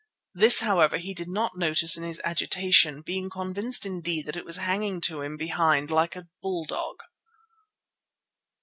This, however, he did not notice in his agitation, being convinced indeed that it was hanging to him behind like a bulldog.